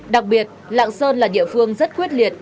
đặc biệt lạng sơn là địa phương rất quyết liệt